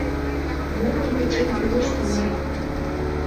Мо мый дечем кӱлеш тылат?